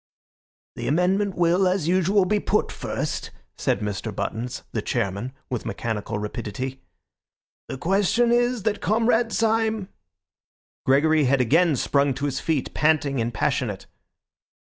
"The amendment will, as usual, be put first," said Mr. Buttons, the chairman, with mechanical rapidity. "The question is that Comrade Syme—" Gregory had again sprung to his feet, panting and passionate.